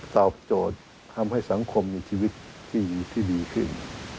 ตอบโจทย์ทำให้สังคมมีชีวิตที่ดีขึ้น